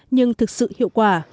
nhưng thực sự hiệu quả